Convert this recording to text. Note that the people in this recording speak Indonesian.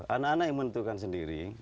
anak anak yang menentukan sendiri